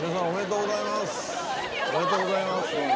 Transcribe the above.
おめでとうございます。